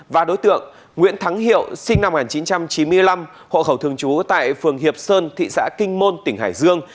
và đối tượng nguyễn thắng hiệu sinh năm một nghìn chín trăm chín mươi năm hộ khẩu thường trú tại phường hiệp sơn thị xã kinh môn tỉnh hải dương